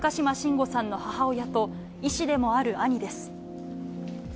伍さんの母親と、医師でもある兄です。